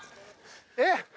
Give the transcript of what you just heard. えっ？